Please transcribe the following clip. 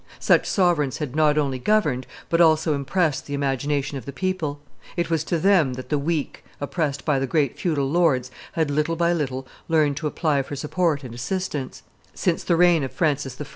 Such sovereigns had not only governed, but also impressed the imagination of the people; it was to them that the weak, oppressed by the great feudal lords, had little by little learned to apply for support and assistance; since the reign of Francis I.